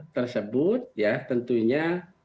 tersebut ya tentunya